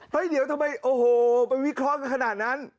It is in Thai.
เดี๋ยวทำไมโอ้โหไปวิเคราะห์กันขนาดนั้น